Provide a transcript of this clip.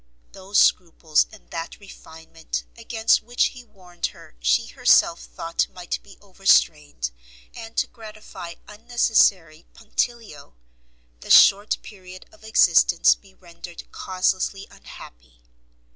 Those scruples and that refinement against which he warned her, she herself thought might be overstrained, and to gratify unnecessary punctilio, the short period of existence be rendered causelessly unhappy.